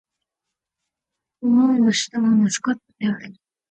オマーンの首都はマスカットである